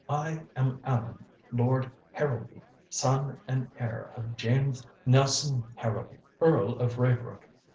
I am Allan, Lord Harrowby, son and heir of James Nelson Harrowby, Earl of Raybrook.